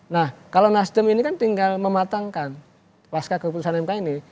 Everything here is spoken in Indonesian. nah kalau nasdem ini kan tinggal mematangkan pasca keputusan mk ini